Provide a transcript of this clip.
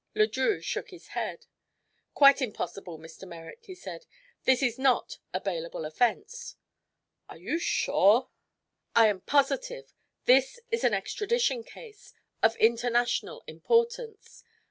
Le Drieux shook his head. "Quite impossible, Mr. Merrick," he said. "This is not a bailable offense." "Are you sure?" "I am positive. This is an extradition case, of international importance.